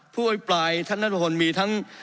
ผู้อภิปรายท่านนัทพลมีทั้ง